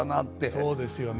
そうですよね。